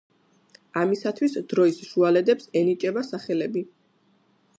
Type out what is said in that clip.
ამისათვის დროის შუალედებს ენიჭება სახელები.